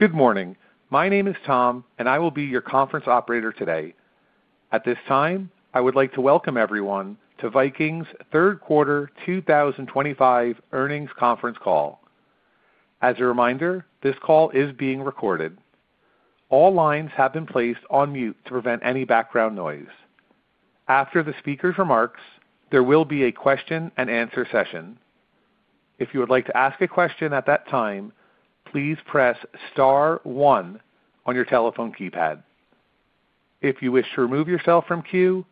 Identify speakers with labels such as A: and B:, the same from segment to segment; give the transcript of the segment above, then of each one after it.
A: Good morning. My name is Tom, and I will be your conference operator today. At this time, I would like to welcome everyone to Viking's Third Quarter 2025 Earnings Conference Call. As a reminder, this call is being recorded. All lines have been placed on mute to prevent any background noise. After the speaker's remarks, there will be a question-and-answer session. If you would like to ask a question at that time, please press star one on your telephone keypad. If you wish to remove yourself from queue,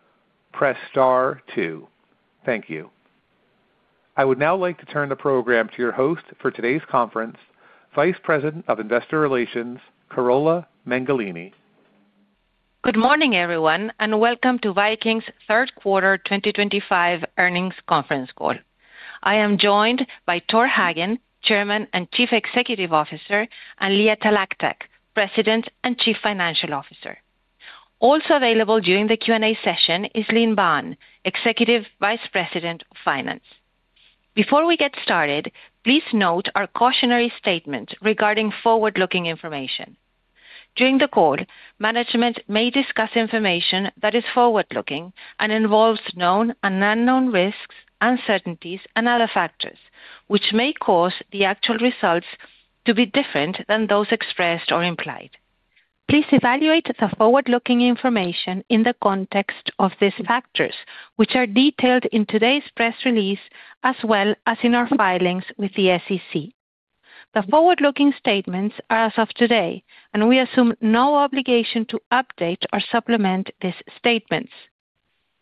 A: press star two. Thank you. I would now like to turn the program to your host for today's conference, Vice President of Investor Relations, Carola Mengolini.
B: Good morning, everyone, and welcome to Viking's Third Quarter 2025 Earnings Conference Call. I am joined by Tor Hagen, Chairman and Chief Executive Officer, and Leah Talactac, President and Chief Financial Officer. Also available during the Q&A session is Linh Banh, Executive Vice President of Finance. Before we get started, please note our cautionary statement regarding forward-looking information. During the call, management may discuss information that is forward-looking and involves known and unknown risks, uncertainties, and other factors, which may cause the actual results to be different than those expressed or implied. Please evaluate the forward-looking information in the context of these factors, which are detailed in today's press release as well as in our filings with the SEC. The forward-looking statements are as of today, and we assume no obligation to update or supplement these statements.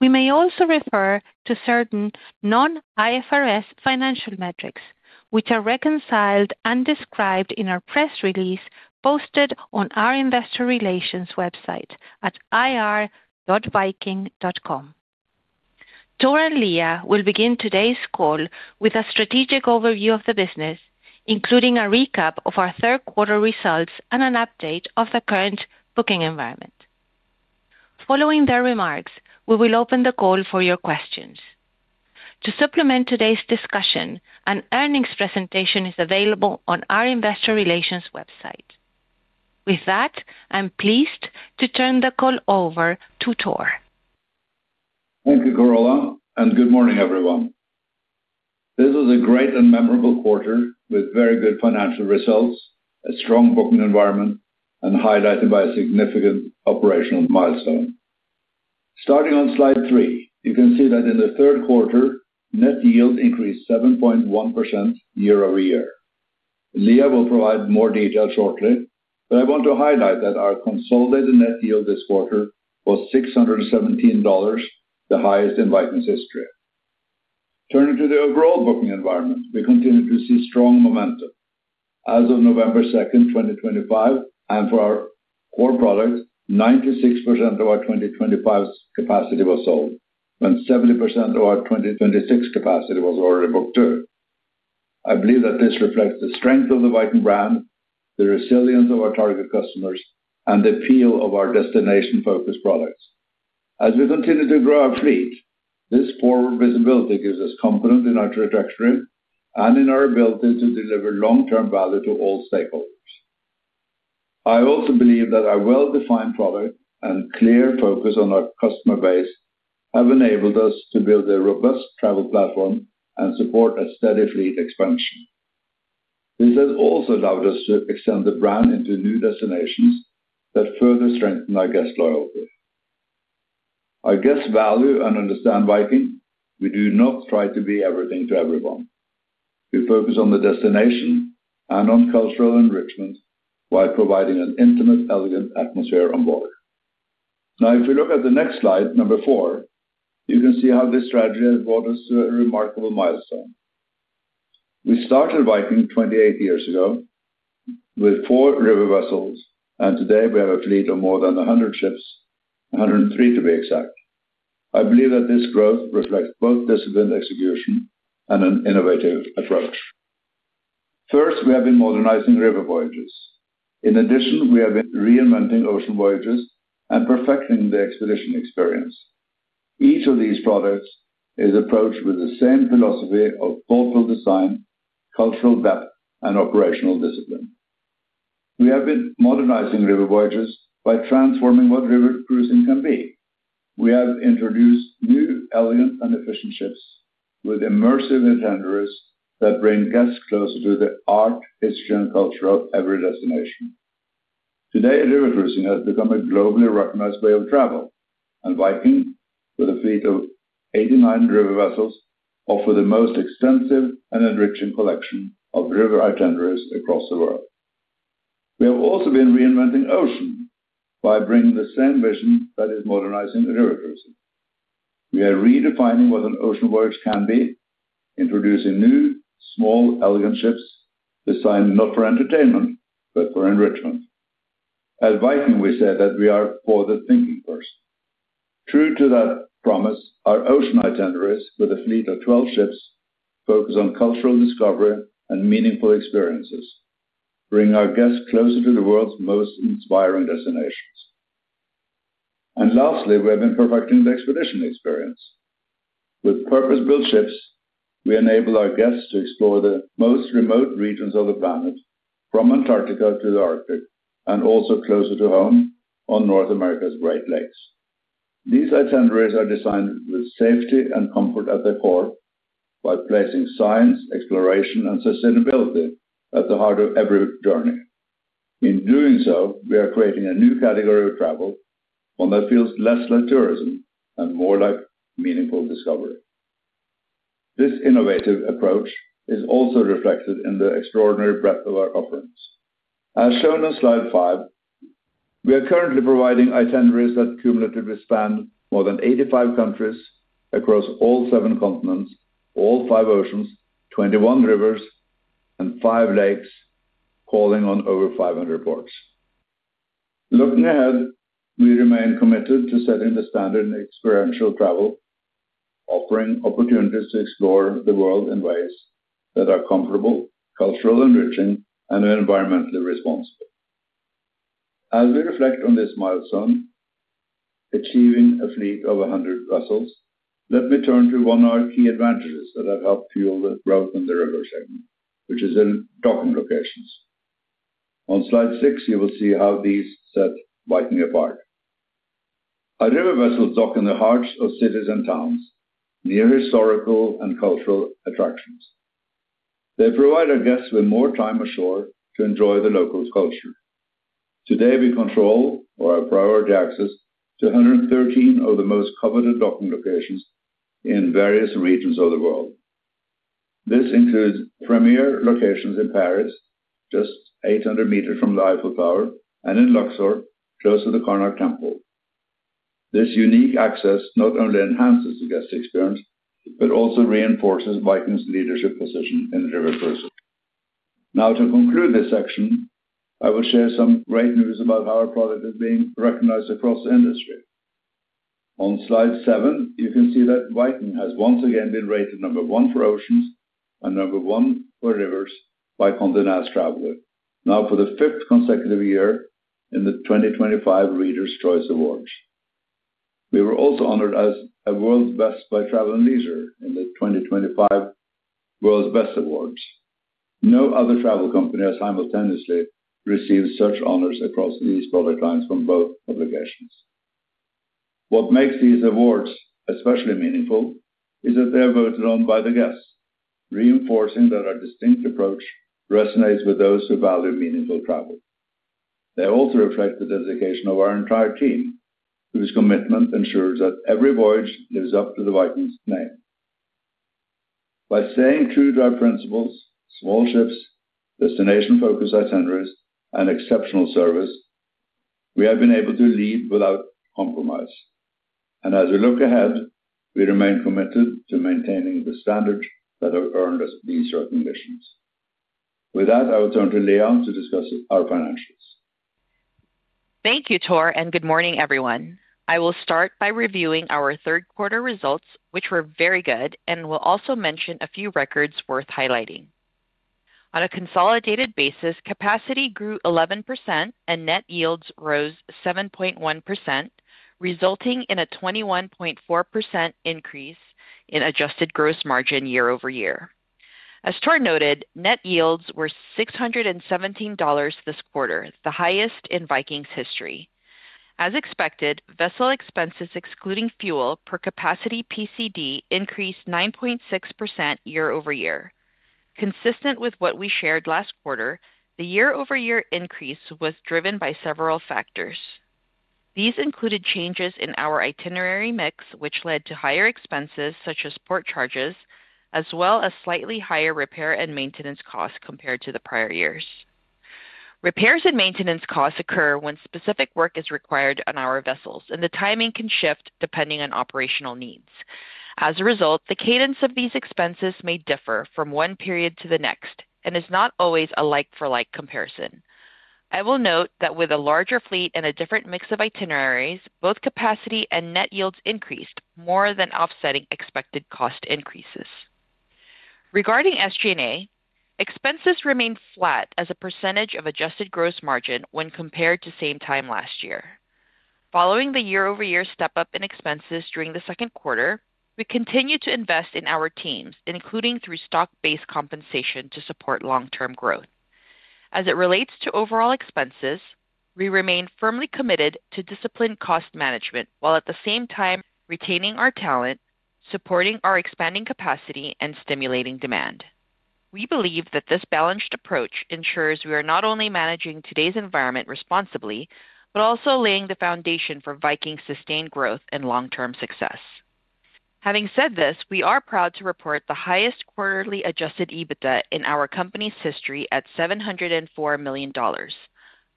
B: We may also refer to certain non-IFRS financial metrics, which are reconciled and described in our press release posted on our investor relations website at irvik.com. Tor and Leah will begin today's call with a strategic overview of the business, including a recap of our third quarter results and an update of the current booking environment. Following their remarks, we will open the call for your questions. To supplement today's discussion, an earnings presentation is available on our investor relations website. With that, I'm pleased to turn the call over to Tor.
C: Thank you, Carola, and good morning, everyone. This was a great and memorable quarter with very good financial results, a strong booking environment, and highlighted by a significant operational milestone. Starting on slide three, you can see that in the third quarter, net yield increased 7.1% year-over-year. Leah will provide more detail shortly, but I want to highlight that our consolidated net yield this quarter was $617, the highest in Viking's history. Turning to the overall booking environment, we continue to see strong momentum. As of November 2nd, 2025, and for our core product, 96% of our 2025 capacity was sold, and 70% of our 2026 capacity was already booked too. I believe that this reflects the strength of the Viking brand, the resilience of our target customers, and the appeal of our destination-focused products. As we continue to grow our fleet, this forward visibility gives us confidence in our trajectory and in our ability to deliver long-term value to all stakeholders. I also believe that our well-defined product and clear focus on our customer base have enabled us to build a robust travel platform and support a steady fleet expansion. This has also allowed us to extend the brand into new destinations that further strengthen our guest loyalty. Our guests value and understand Viking. We do not try to be everything to everyone. We focus on the destination and on cultural enrichment while providing an intimate, elegant atmosphere on board. Now, if we look at the next slide, number four, you can see how this strategy has brought us to a remarkable milestone. We started Viking 28 years ago with four river vessels, and today we have a fleet of more than 100 ships, 103 to be exact. I believe that this growth reflects both discipline execution and an innovative approach. First, we have been modernizing river voyages. In addition, we have been reinventing ocean voyages and perfecting the expedition experience. Each of these products is approached with the same philosophy of thoughtful design, cultural depth, and operational discipline. We have been modernizing river voyages by transforming what river cruising can be. We have introduced new, elegant, and efficient ships with immersive encounters that bring guests closer to the art, history, and culture of every destination. Today, river cruising has become a globally recognized way of travel, and Viking, with a fleet of 89 river vessels, offers the most extensive and enriching collection of river itineraries across the world. We have also been reinventing ocean by bringing the same vision that is modernizing river cruising. We are redefining what an ocean voyage can be, introducing new, small, elegant ships designed not for entertainment, but for enrichment. At Viking, we say that we are for the thinking first. True to that promise, our ocean itineraries, with a fleet of 12 ships, focus on cultural discovery and meaningful experiences, bringing our guests closer to the world's most inspiring destinations. Lastly, we have been perfecting the expedition experience. With purpose-built ships, we enable our guests to explore the most remote regions of the planet, from Antarctica to the Arctic and also closer to home on North America's Great Lakes. These itineraries are designed with safety and comfort at their core by placing science, exploration, and sustainability at the heart of every journey. In doing so, we are creating a new category of travel, one that feels less like tourism and more like meaningful discovery. This innovative approach is also reflected in the extraordinary breadth of our offerings. As shown on slide five, we are currently providing itineraries that cumulatively span more than 85 countries across all seven continents, all five oceans, 21 rivers, and five lakes, calling on over 500 ports. Looking ahead, we remain committed to setting the standard in experiential travel, offering opportunities to explore the world in ways that are comfortable, culturally enriching, and environmentally responsible. As we reflect on this milestone, achieving a fleet of 100 vessels, let me turn to one of our key advantages that have helped fuel the growth in the river segment, which is in docking locations. On slide six, you will see how these set Viking apart. Our river vessels dock in the hearts of cities and towns, near historical and cultural attractions. They provide our guests with more time ashore to enjoy the local culture. Today, we control, or have priority access, to 113 of the most coveted docking locations in various regions of the world. This includes premier locations in Paris, just 800 meters from the Eiffel Tower, and in Luxor, close to the Karnak Temple. This unique access not only enhances the guest experience, but also reinforces Viking's leadership position in the river cruising. Now, to conclude this section, I will share some great news about how our product is being recognized across the industry. On slide seven, you can see that Viking has once again been rated number one for oceans and number one for rivers by Condé Nast Traveler, now for the fifth consecutive year in the 2025 Readers' Choice Awards. We were also honored as a world's best by Travel + Leisure in the 2025 World's Best Awards. No other travel company has simultaneously received such honors across these product lines from both publications. What makes these awards especially meaningful is that they are voted on by the guests, reinforcing that our distinct approach resonates with those who value meaningful travel. They also reflect the dedication of our entire team, whose commitment ensures that every voyage lives up to the Viking's name. By staying true to our principles, small ships, destination-focused itineraries, and exceptional service, we have been able to lead without compromise. As we look ahead, we remain committed to maintaining the standards that have earned us these recognitions. With that, I will turn to Leah to discuss our financials.
D: Thank you, Tor, and good morning, everyone. I will start by reviewing our third quarter results, which were very good, and will also mention a few records worth highlighting. On a consolidated basis, capacity grew 11% and net yields rose 7.1%, resulting in a 21.4% increase in adjusted gross margin year-over-year. As Tor noted, net yields were $617 this quarter, the highest in Viking's history. As expected, vessel expenses excluding fuel per capacity PCD increased 9.6% year-over-year. Consistent with what we shared last quarter, the year-over-year increase was driven by several factors. These included changes in our itinerary mix, which led to higher expenses such as port charges, as well as slightly higher repair and maintenance costs compared to the prior years. Repairs and maintenance costs occur when specific work is required on our vessels, and the timing can shift depending on operational needs. As a result, the cadence of these expenses may differ from one period to the next and is not always a like-for-like comparison. I will note that with a larger fleet and a different mix of itineraries, both capacity and net yields increased, more than offsetting expected cost increases. Regarding SG&A, expenses remained flat as a percentage of adjusted gross margin when compared to same time last year. Following the year-over-year step-up in expenses during the second quarter, we continue to invest in our teams, including through stock-based compensation to support long-term growth. As it relates to overall expenses, we remain firmly committed to disciplined cost management while at the same time retaining our talent, supporting our expanding capacity, and stimulating demand. We believe that this balanced approach ensures we are not only managing today's environment responsibly, but also laying the foundation for Viking's sustained growth and long-term success. Having said this, we are proud to report the highest quarterly adjusted EBITDA in our company's history at $704 million,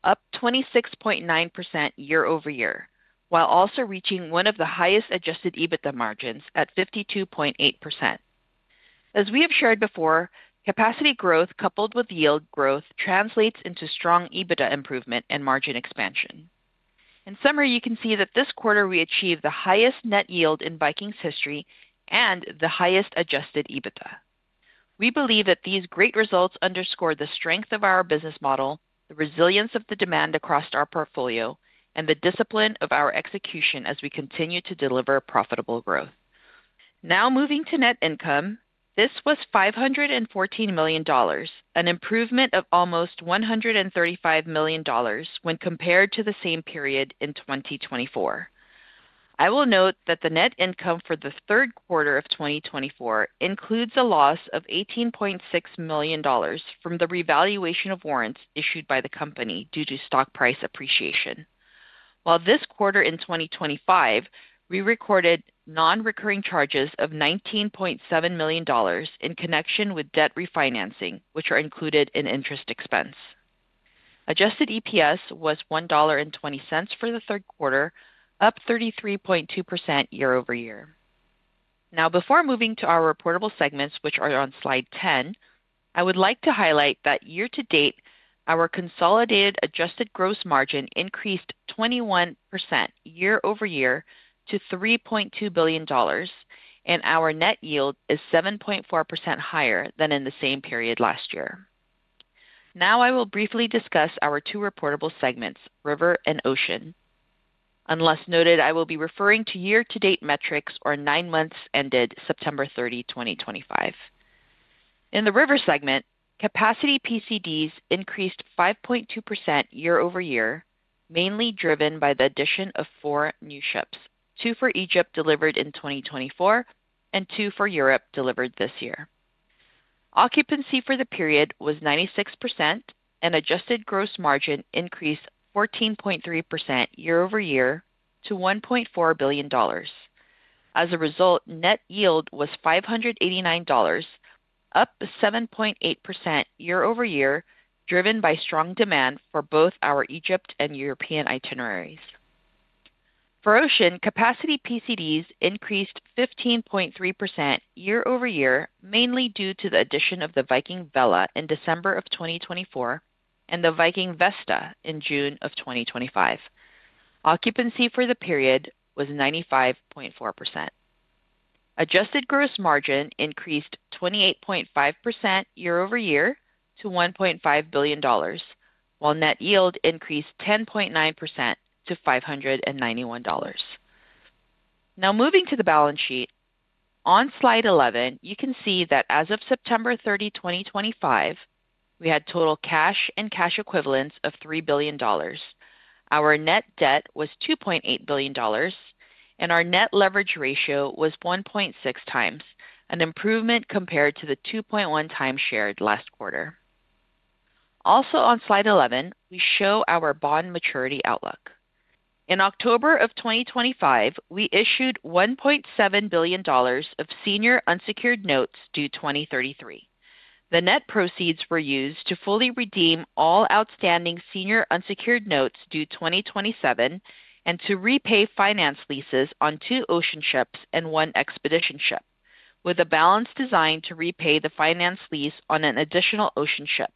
D: up 26.9% year-over-year, while also reaching one of the highest adjusted EBITDA margins at 52.8%. As we have shared before, capacity growth coupled with yield growth translates into strong EBITDA improvement and margin expansion. In summary, you can see that this quarter we achieved the highest net yield in Viking's history and the highest adjusted EBITDA. We believe that these great results underscore the strength of our business model, the resilience of the demand across our portfolio, and the discipline of our execution as we continue to deliver profitable growth. Now moving to net income, this was $514 million, an improvement of almost $135 million when compared to the same period in 2024. I will note that the net income for the third quarter of 2024 includes a loss of $18.6 million from the revaluation of warrants issued by the company due to stock price appreciation. While this quarter in 2025, we recorded non-recurring charges of $19.7 million in connection with debt refinancing, which are included in interest expense. Adjusted EPS was $1.20 for the third quarter, up 33.2% year-over-year. Now, before moving to our reportable segments, which are on slide 10, I would like to highlight that year to date, our consolidated adjusted gross margin increased 21% year-over-year to $3.2 billion, and our net yield is 7.4% higher than in the same period last year. Now I will briefly discuss our two reportable segments, river and ocean. Unless noted, I will be referring to year-to-date metrics or nine months ended September 30, 2025. In the river segment, capacity PCDs increased 5.2% year-over-year, mainly driven by the addition of four new ships, two for Egypt delivered in 2024 and two for Europe delivered this year. Occupancy for the period was 96%, and adjusted gross margin increased 14.3% year-over-year to $1.4 billion. As a result, net yield was $589, up 7.8% year-over-year, driven by strong demand for both our Egypt and European itineraries. For ocean, capacity PCDs increased 15.3% year-over-year, mainly due to the addition of the Viking Vela in December of 2024 and the Viking Vesta in June of 2025. Occupancy for the period was 95.4%. Adjusted gross margin increased 28.5% year-over-year to $1.5 billion, while net yield increased 10.9% to $591. Now moving to the balance sheet, on slide 11, you can see that as of September 30, 2025, we had total cash and cash equivalents of $3 billion. Our net debt was $2.8 billion, and our net leverage ratio was 1.6x, an improvement compared to the 2.1x shared last quarter. Also on slide 11, we show our bond maturity outlook. In October of 2025, we issued $1.7 billion of senior unsecured notes due 2033. The net proceeds were used to fully redeem all outstanding senior unsecured notes due 2027 and to repay finance leases on two ocean ships and one expedition ship, with a balance designed to repay the finance lease on an additional ocean ship.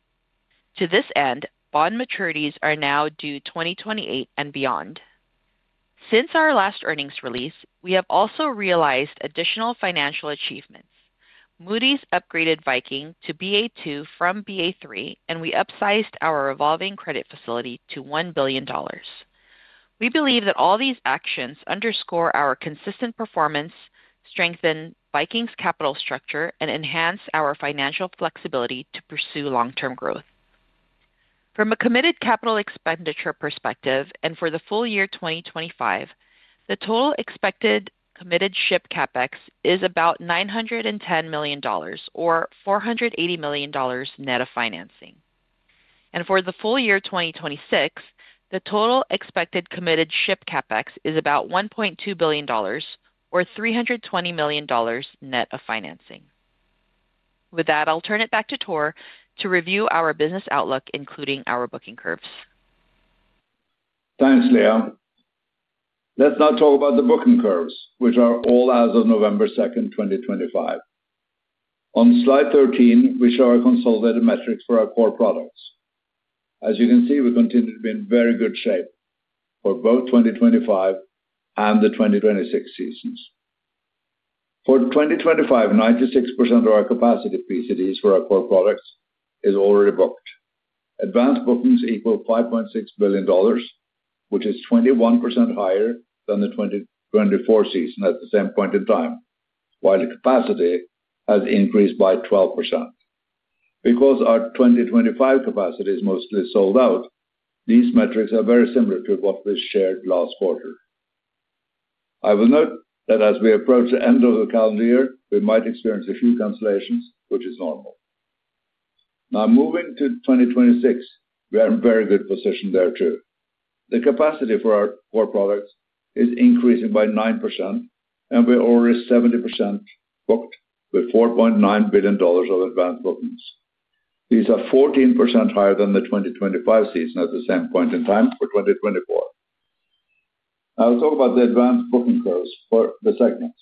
D: To this end, bond maturities are now due 2028 and beyond. Since our last earnings release, we have also realized additional financial achievements. Moody's upgraded Viking to Ba2 from Ba3, and we upsized our revolving credit facility to $1 billion. We believe that all these actions underscore our consistent performance, strengthen Viking's capital structure, and enhance our financial flexibility to pursue long-term growth. From a committed capital expenditure perspective, and for the full year 2025, the total expected committed ship CapEx is about $910 million, or $480 million net of financing. For the full year 2026, the total expected committed ship CapEx is about $1.2 billion, or $320 million net of financing. With that, I'll turn it back to Tor to review our business outlook, including our booking curves.
C: Thanks, Leah. Let's now talk about the booking curves, which are all as of November 2nd, 2025. On slide 13, we show our consolidated metrics for our core products. As you can see, we continue to be in very good shape for both 2025 and the 2026 seasons. For 2025, 96% of our capacity PCDs for our core products is already booked. Advanced bookings equal $5.6 billion, which is 21% higher than the 2024 season at the same point in time, while capacity has increased by 12%. Because our 2025 capacity is mostly sold out, these metrics are very similar to what we shared last quarter. I will note that as we approach the end of the calendar year, we might experience a few cancellations, which is normal. Now moving to 2026, we are in a very good position there too. The capacity for our core products is increasing by 9%, and we are already 70% booked with $4.9 billion of advanced bookings. These are 14% higher than the 2025 season at the same point in time for 2024. I'll talk about the advanced booking curves for the segments.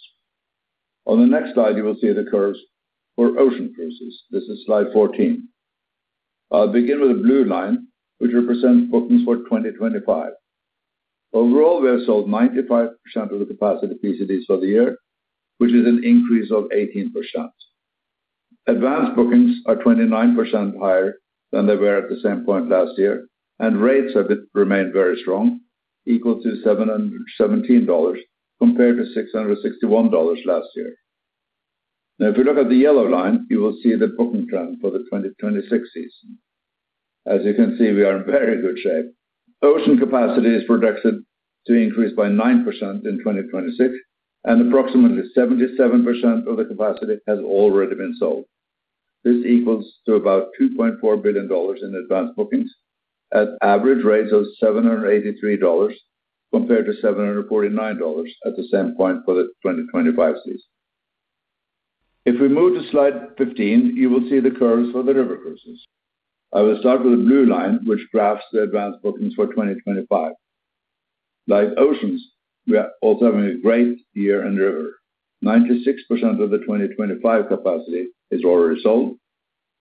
C: On the next slide, you will see the curves for ocean cruises. This is slide 14. I'll begin with a blue line, which represents bookings for 2025. Overall, we have sold 95% of the capacity PCDs for the year, which is an increase of 18%. Advanced bookings are 29% higher than they were at the same point last year, and rates have remained very strong, equal to $717 compared to $661 last year. Now, if we look at the yellow line, you will see the booking trend for the 2026 season. As you can see, we are in very good shape. Ocean capacity is projected to increase by 9% in 2026, and approximately 77% of the capacity has already been sold. This equals to about $2.4 billion in advanced bookings at average rates of $783 compared to $749 at the same point for the 2025 season. If we move to slide 15, you will see the curves for the river cruises. I will start with a blue line, which graphs the advanced bookings for 2025. Like oceans, we are also having a great year in the river. 96% of the 2025 capacity is already sold,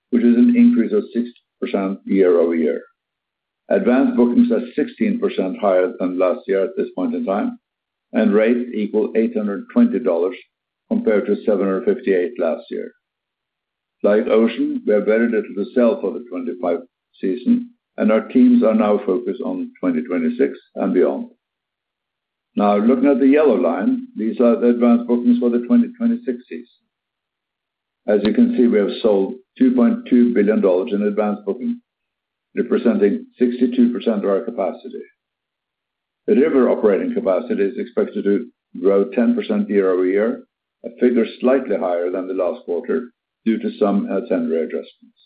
C: which is an increase of 6% year-over-year. Advanced bookings are 16% higher than last year at this point in time, and rates equal $820 compared to $758 last year. Like ocean, we have very little to sell for the 2025 season, and our teams are now focused on 2026 and beyond. Now, looking at the yellow line, these are the advanced bookings for the 2026 season. As you can see, we have sold $2.2 billion in advanced booking, representing 62% of our capacity. The river operating capacity is expected to grow 10% year-over-year, a figure slightly higher than the last quarter due to some adversarial adjustments.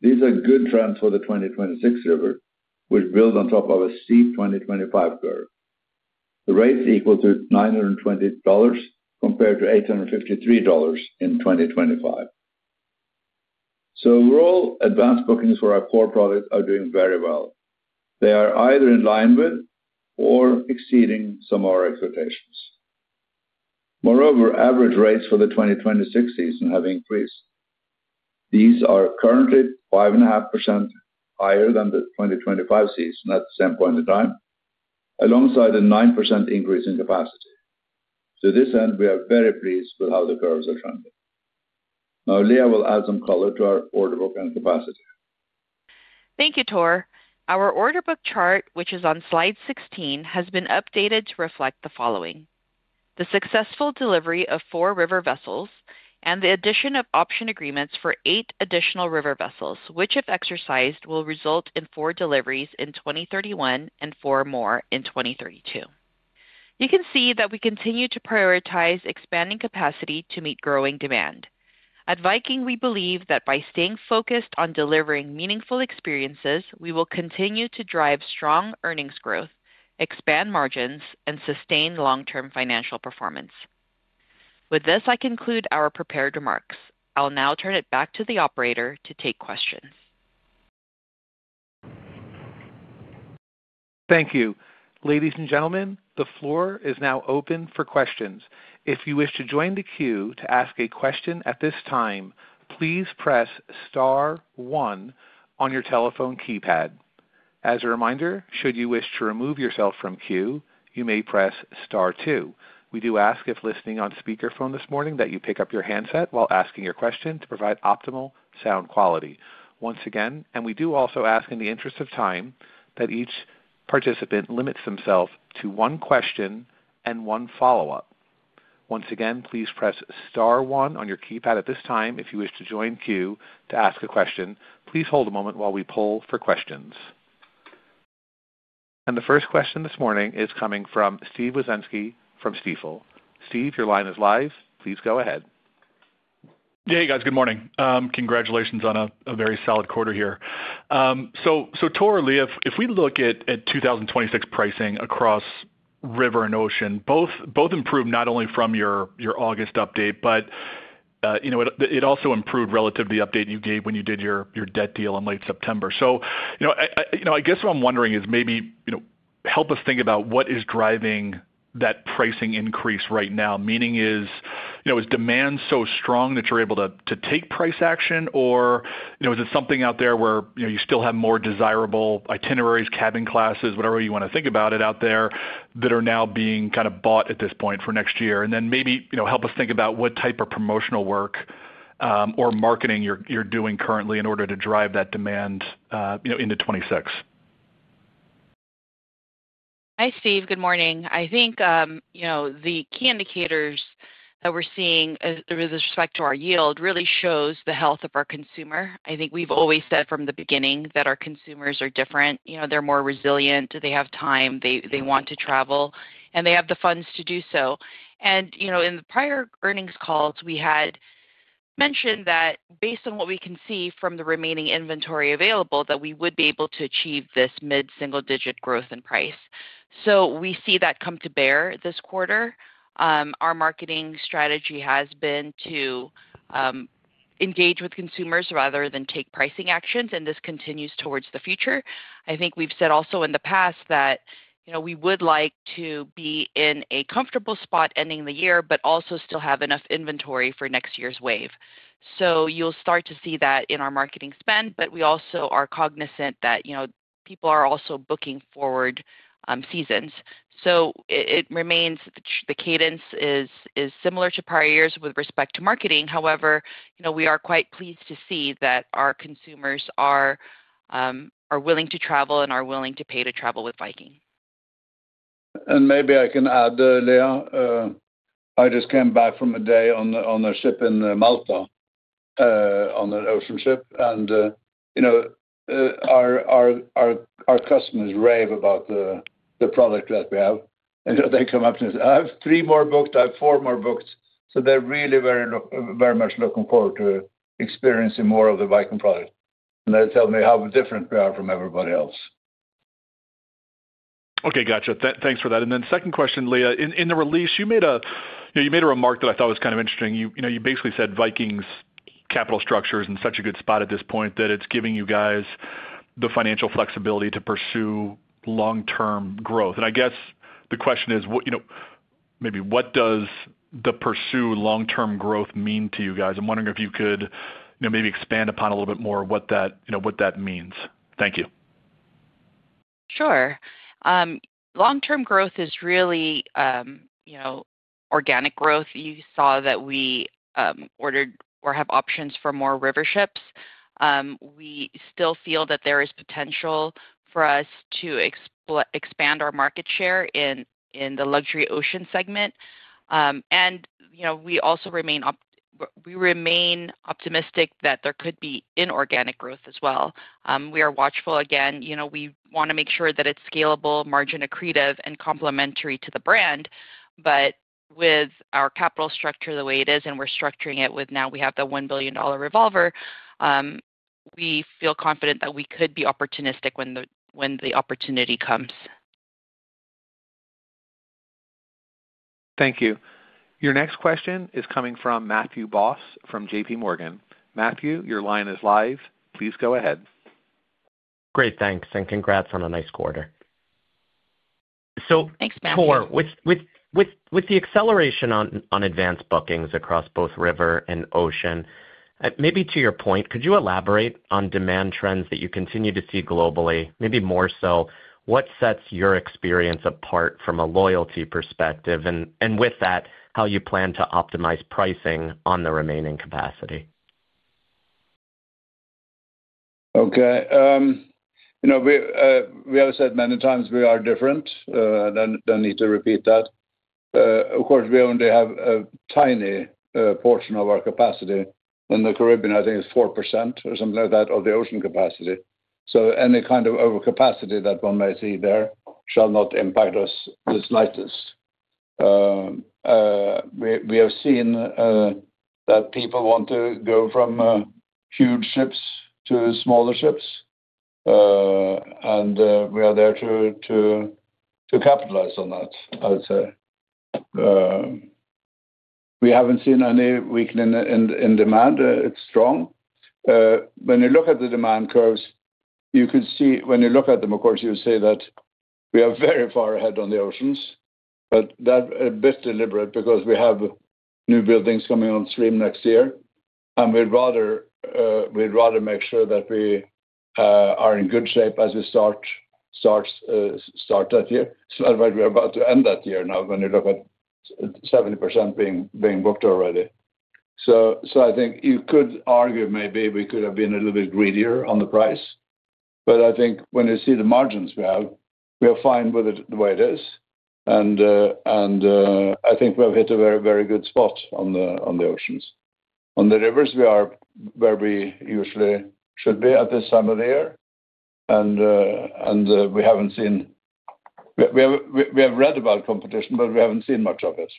C: These are good trends for the 2026 river, which builds on top of a steep 2025 curve. The rates equal to $920 compared to $853 in 2025. Overall, advanced bookings for our core products are doing very well. They are either in line with or exceeding some of our expectations. Moreover, average rates for the 2026 season have increased. These are currently 5.5% higher than the 2025 season at the same point in time, alongside a 9% increase in capacity. To this end, we are very pleased with how the curves are trending. Now, Leah will add some color to our order book and capacity.
D: Thank you, Tor. Our order book chart, which is on slide 16, has been updated to reflect the following: the successful delivery of four river vessels and the addition of option agreements for eight additional river vessels, which, if exercised, will result in four deliveries in 2031 and four more in 2032. You can see that we continue to prioritize expanding capacity to meet growing demand. At Viking, we believe that by staying focused on delivering meaningful experiences, we will continue to drive strong earnings growth, expand margins, and sustain long-term financial performance. With this, I conclude our prepared remarks. I'll now turn it back to the operator to take questions.
A: Thank you. Ladies and gentlemen, the floor is now open for questions. If you wish to join the queue to ask a question at this time, please press star one on your telephone keypad. As a reminder, should you wish to remove yourself from queue, you may press star two. We do ask, if listening on speakerphone this morning, that you pick up your handset while asking your question to provide optimal sound quality. Once again, we do also ask in the interest of time that each participant limits themselves to one question and one follow-up. Once again, please press star one on your keypad at this time if you wish to join queue to ask a question. Please hold a moment while we pull for questions. The first question this morning is coming from Steve Wieczynski from Stifel. Steve, your line is live. Please go ahead.
E: Yeah, hey guys, good morning. Congratulations on a very solid quarter here. Tor, Leah, if we look at 2026 pricing across river and ocean, both improved not only from your August update, but it also improved relative to the update you gave when you did your debt deal in late September. I guess what I'm wondering is maybe help us think about what is driving that pricing increase right now. Meaning is demand so strong that you're able to take price action, or is it something out there where you still have more desirable itineraries, cabin classes, whatever you want to think about it out there, that are now being kind of bought at this point for next year? Maybe help us think about what type of promotional work or marketing you're doing currently in order to drive that demand into 2026.
D: Hi, Steve. Good morning. I think the key indicators that we're seeing with respect to our yield really show the health of our consumer. I think we've always said from the beginning that our consumers are different. They're more resilient. They have time. They want to travel, and they have the funds to do so. In the prior earnings calls, we had mentioned that based on what we can see from the remaining inventory available, we would be able to achieve this mid-single-digit growth in price. We see that come to bear this quarter. Our marketing strategy has been to engage with consumers rather than take pricing actions, and this continues towards the future. I think we've said also in the past that we would like to be in a comfortable spot ending the year, but also still have enough inventory for next year's wave. You'll start to see that in our marketing spend, but we also are cognizant that people are also booking forward seasons. It remains the cadence is similar to prior years with respect to marketing. However, we are quite pleased to see that our consumers are willing to travel and are willing to pay to travel with Viking.
C: Maybe I can add, Leah, I just came back from a day on a ship in Malta on an ocean ship, and our customers rave about the product that we have. They come up to us, "I have three more booked. I have four more booked." They are really very much looking forward to experiencing more of the Viking product. They tell me how different we are from everybody else.
E: Okay, gotcha. Thanks for that. Second question, Leah, in the release, you made a remark that I thought was kind of interesting. You basically said Viking's capital structure is in such a good spot at this point that it's giving you guys the financial flexibility to pursue long-term growth. I guess the question is maybe what does the pursue long-term growth mean to you guys? I'm wondering if you could maybe expand upon a little bit more what that means. Thank you.
D: Sure. Long-term growth is really organic growth. You saw that we ordered or have options for more river ships. We still feel that there is potential for us to expand our market share in the luxury ocean segment. We also remain optimistic that there could be inorganic growth as well. We are watchful. Again, we want to make sure that it is scalable, margin accretive, and complementary to the brand. With our capital structure the way it is, and we are structuring it with now we have the $1 billion revolver, we feel confident that we could be opportunistic when the opportunity comes.
A: Thank you. Your next question is coming from Matthew Boss from JPMorgan. Matthew, your line is live. Please go ahead.
F: Great. Thanks. Congrats on a nice quarter.
D: Thanks, Matthew.
F: Tor, with the acceleration on advanced bookings across both river and ocean, maybe to your point, could you elaborate on demand trends that you continue to see globally, maybe more so? What sets your experience apart from a loyalty perspective? With that, how you plan to optimize pricing on the remaining capacity?
C: Okay. We have said many times we are different. I don't need to repeat that. Of course, we only have a tiny portion of our capacity in the Caribbean. I think it's 4% or something like that of the ocean capacity. Any kind of overcapacity that one may see there shall not impact us the slightest. We have seen that people want to go from huge ships to smaller ships, and we are there to capitalize on that, I would say. We haven't seen any weakening in demand. It's strong. When you look at the demand curves, you could see when you look at them, of course, you would say that we are very far ahead on the oceans, but that a bit deliberate because we have new buildings coming on stream next year. We'd rather make sure that we are in good shape as we start that year. Otherwise, we're about to end that year now when you look at 70% being booked already. I think you could argue maybe we could have been a little bit greedier on the price. I think when you see the margins we have, we are fine with it the way it is. I think we have hit a very, very good spot on the oceans. On the rivers, we are where we usually should be at this time of the year. We haven't seen, we have read about competition, but we haven't seen much of it.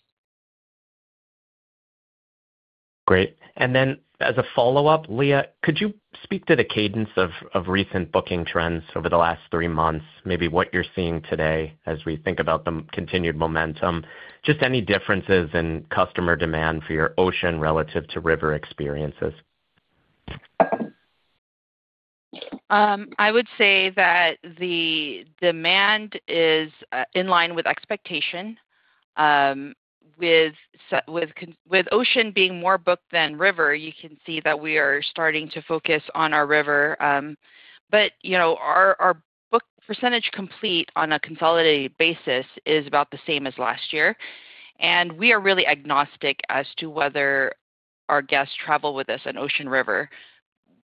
F: Great. As a follow-up, Leah, could you speak to the cadence of recent booking trends over the last three months, maybe what you're seeing today as we think about the continued momentum, just any differences in customer demand for your ocean relative to river experiences?
D: I would say that the demand is in line with expectation. With ocean being more booked than river, you can see that we are starting to focus on our river. Our book percentage complete on a consolidated basis is about the same as last year. We are really agnostic as to whether our guests travel with us in ocean or river,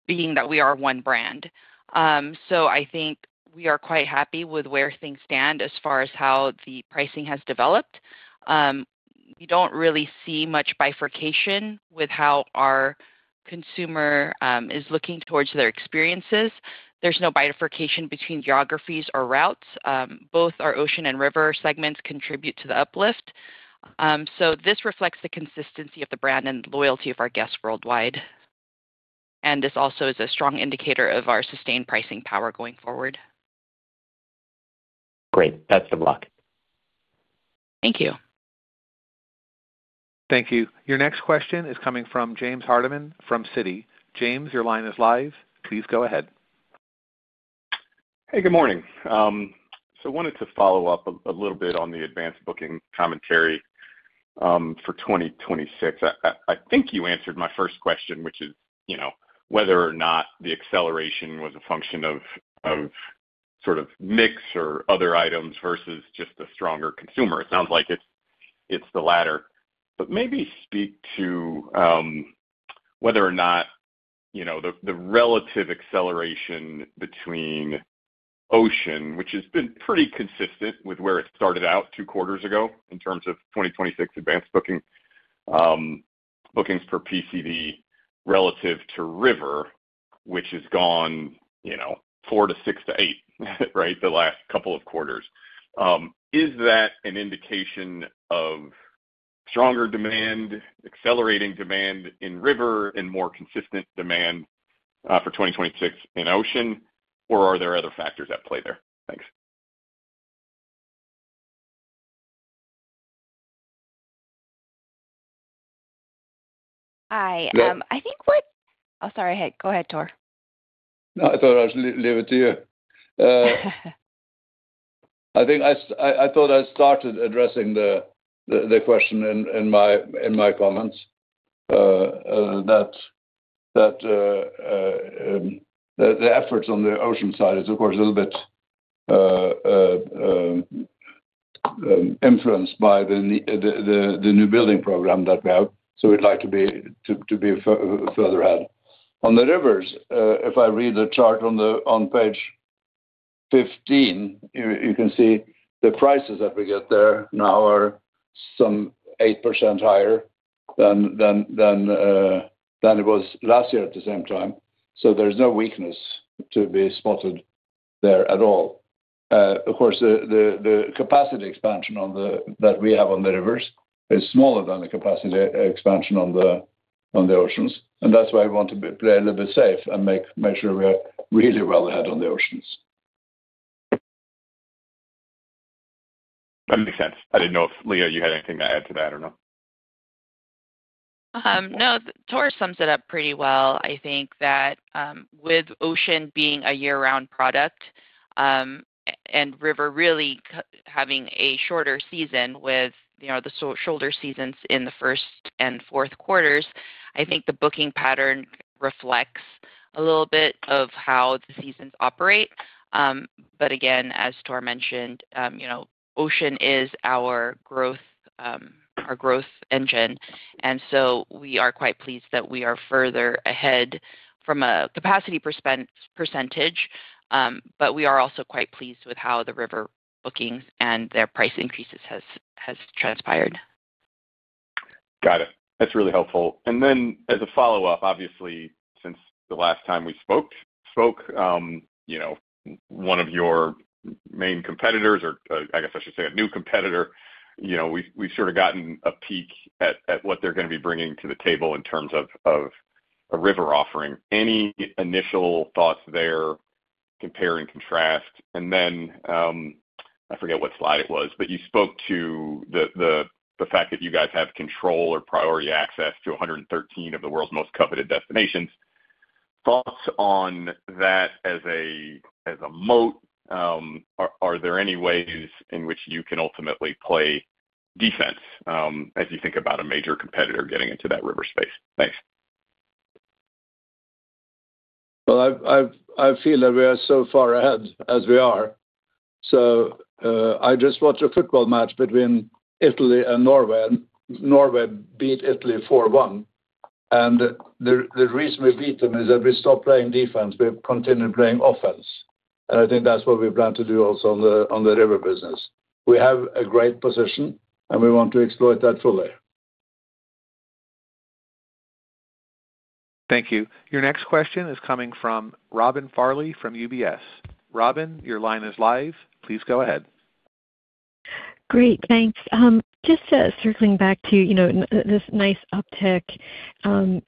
D: being that we are one brand. I think we are quite happy with where things stand as far as how the pricing has developed. We do not really see much bifurcation with how our consumer is looking towards their experiences. There is no bifurcation between geographies or routes. Both our ocean and river segments contribute to the uplift. This reflects the consistency of the brand and loyalty of our guests worldwide. This also is a strong indicator of our sustained pricing power going forward.
F: Great. Best of luck.
D: Thank you.
A: Thank you. Your next question is coming from James Hardiman from Citi. James, your line is live. Please go ahead.
G: Hey, good morning. I wanted to follow up a little bit on the advanced booking commentary for 2026. I think you answered my first question, which is whether or not the acceleration was a function of sort of mix or other items versus just a stronger consumer. It sounds like it's the latter. Maybe speak to whether or not the relative acceleration between ocean, which has been pretty consistent with where it started out two quarters ago in terms of 2026 advanced bookings for PCV relative to river, which has gone four to six to eight, right, the last couple of quarters. Is that an indication of stronger demand, accelerating demand in river, and more consistent demand for 2026 in ocean, or are there other factors at play there? Thanks.
D: Hi. I think what—I'm sorry, go ahead, Tor.
C: No, I thought I was leaving it to you. I thought I started addressing the question in my comments that the efforts on the ocean side is, of course, a little bit influenced by the new building program that we have. We'd like to be further ahead. On the rivers, if I read the chart on page 15, you can see the prices that we get there now are some 8% higher than it was last year at the same time. There's no weakness to be spotted there at all. Of course, the capacity expansion that we have on the rivers is smaller than the capacity expansion on the oceans. That's why we want to play a little bit safe and make sure we are really well ahead on the oceans.
G: That makes sense. I didn't know if, Leah, you had anything to add to that or not.
D: No, Tor sums it up pretty well. I think that with ocean being a year-round product and river really having a shorter season with the shoulder seasons in the first and fourth quarters, I think the booking pattern reflects a little bit of how the seasons operate. As Tor mentioned, ocean is our growth engine. We are quite pleased that we are further ahead from a capacity percentage, but we are also quite pleased with how the river bookings and their price increases have transpired.
G: Got it. That's really helpful. As a follow-up, obviously, since the last time we spoke, one of your main competitors, or I guess I should say a new competitor, we've sort of gotten a peek at what they're going to be bringing to the table in terms of a river offering. Any initial thoughts there, compare and contrast? I forget what slide it was, but you spoke to the fact that you guys have control or priority access to 113 of the world's most coveted destinations. Thoughts on that as a moat? Are there any ways in which you can ultimately play defense as you think about a major competitor getting into that river space? Thanks.
C: I feel that we are so far ahead as we are. I just watched a football match between Italy and Norway. Norway beat Italy 4-1. The reason we beat them is that we stopped playing defense. We continued playing offense. I think that's what we plan to do also on the river business. We have a great position, and we want to exploit that fully.
A: Thank you. Your next question is coming from Robin Farley from UBS. Robin, your line is live. Please go ahead.
H: Great. Thanks. Just circling back to this nice uptick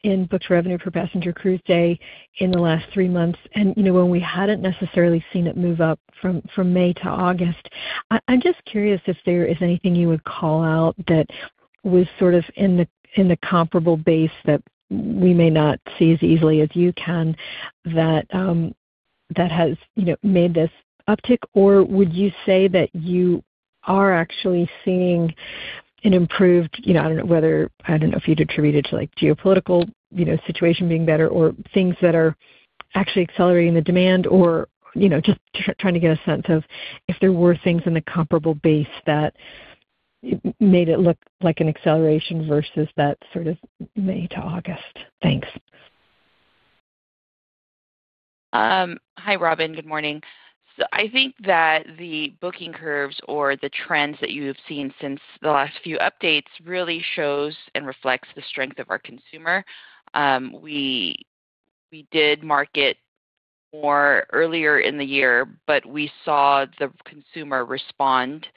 H: in booked revenue for passenger cruise day in the last three months, and when we had not necessarily seen it move up from May to August, I am just curious if there is anything you would call out that was sort of in the comparable base that we may not see as easily as you can that has made this uptick? Or would you say that you are actually seeing an improved—I do not know if you would attribute it to geopolitical situation being better or things that are actually accelerating the demand—or just trying to get a sense of if there were things in the comparable base that made it look like an acceleration versus that sort of May to August? Thanks.
D: Hi, Robin. Good morning. I think that the booking curves or the trends that you have seen since the last few updates really shows and reflects the strength of our consumer. We did market more earlier in the year, but we saw the consumer respond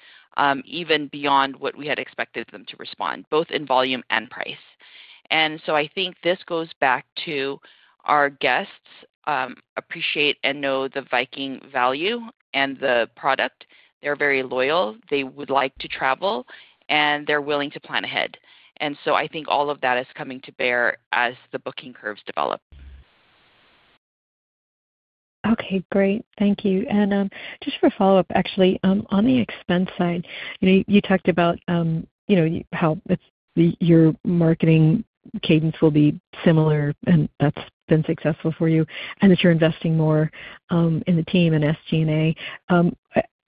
D: even beyond what we had expected them to respond, both in volume and price. I think this goes back to our guests appreciate and know the Viking value and the product. They're very loyal. They would like to travel, and they're willing to plan ahead. I think all of that is coming to bear as the booking curves develop.
H: Okay. Great. Thank you. Just for a follow-up, actually, on the expense side, you talked about how your marketing cadence will be similar and that's been successful for you, and that you're investing more in the team and SG&A.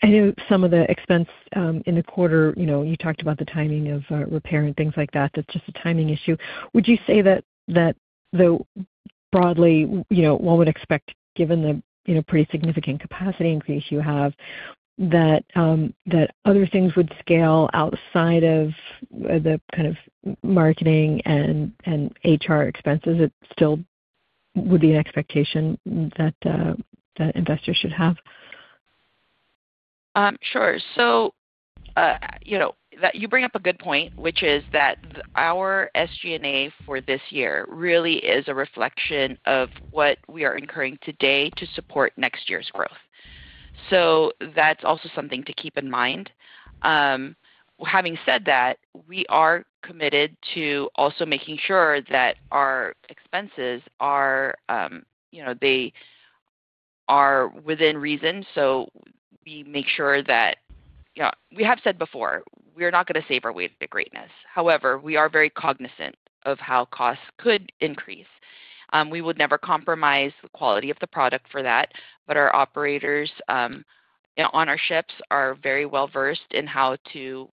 H: I know some of the expense in the quarter, you talked about the timing of repair and things like that. That's just a timing issue. Would you say that, though broadly, one would expect, given the pretty significant capacity increase you have, that other things would scale outside of the kind of marketing and HR expenses that still would be an expectation that investors should have?
D: Sure. You bring up a good point, which is that our SG&A for this year really is a reflection of what we are incurring today to support next year's growth. That is also something to keep in mind. Having said that, we are committed to also making sure that our expenses, they are within reason. We make sure that we have said before, we are not going to save our way at greatness. However, we are very cognizant of how costs could increase. We would never compromise the quality of the product for that. Our operators on our ships are very well versed in how to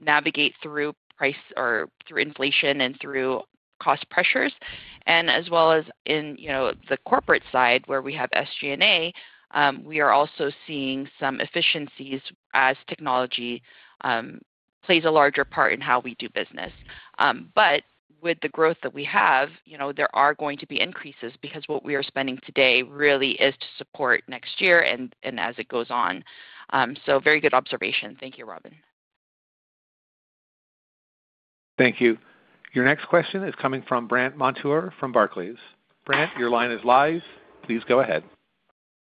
D: navigate through price or through inflation and through cost pressures. As well as in the corporate side where we have SG&A, we are also seeing some efficiencies as technology plays a larger part in how we do business. With the growth that we have, there are going to be increases because what we are spending today really is to support next year and as it goes on. Very good observation. Thank you, Robin.
A: Thank you. Your next question is coming from Brant Montour from Barclays. Brant, your line is live. Please go ahead.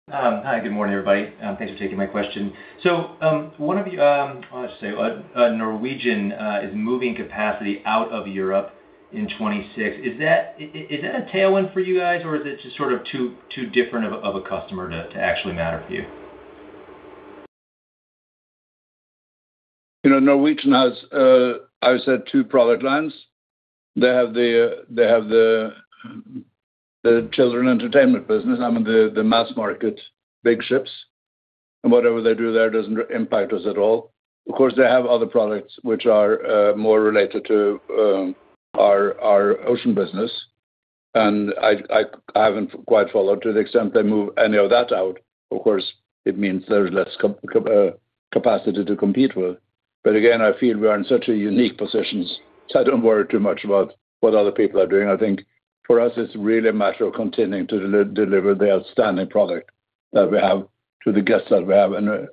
I: Hi, good morning, everybody. Thanks for taking my question. One of—I'll just say—Norwegian is moving capacity out of Europe in 2026. Is that a tailwind for you guys, or is it just sort of too different of a customer to actually matter for you?
C: Norwegian has, as I said, two product lines. They have the children entertainment business, I mean, the mass market, big ships. And whatever they do there doesn't impact us at all. Of course, they have other products which are more related to our ocean business. I haven't quite followed to the extent they move any of that out. Of course, it means there's less capacity to compete with. Again, I feel we are in such unique positions, so I don't worry too much about what other people are doing. I think for us, it's really a matter of continuing to deliver the outstanding product that we have to the guests that we have, and